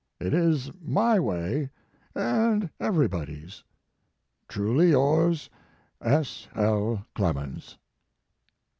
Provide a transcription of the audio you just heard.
It is my way and everybody s. Truly yours, S. L. CLEMENS.